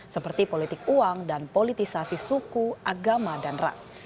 seperti politik uang dan politisasi suku agama dan ras